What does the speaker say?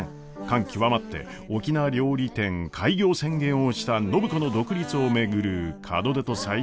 感極まって沖縄料理店開業宣言をした暢子の独立を巡る門出と再出発のあれやこれや。